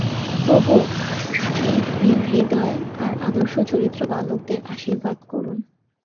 প্রভু এই বীরহৃদয় ও আদর্শচরিত্র বালকদের আশীর্বাদ করুন।